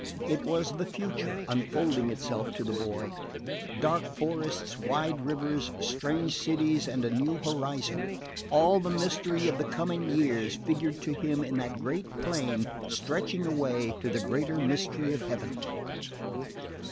It was the future unfolding itself to the boy; dark forests, wide rivers, strange cities and a new horizon: all the mystery of the coming years figured to him in that great plain stretching away to the greater mystery of heaven.